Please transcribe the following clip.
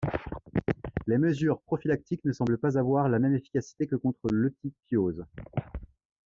Les mesures prophylactiques ne semblent pas avoir la même efficacité que contre l'eutypiose.